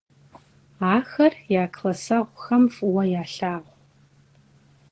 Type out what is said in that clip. Axer ya klasseğuxem f'ıue yalhağu.